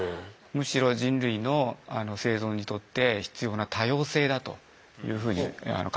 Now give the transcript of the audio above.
むしろ人類のあの生存にとって必要な多様性だというふうにあの考えていますね。